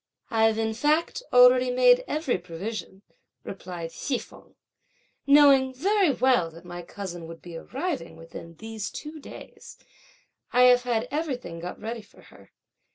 "I've in fact already made every provision," rejoined Hsi feng; "knowing very well that my cousin would be arriving within these two days, I have had everything got ready for her.